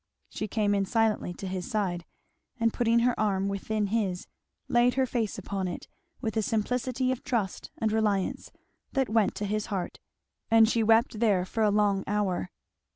She came in silently, to his side, and putting her arm within his laid her face upon it with a simplicity of trust and reliance that went to his heart; and she wept there for a long hour.